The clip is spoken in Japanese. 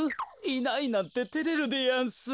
いないなんててれるでやんす。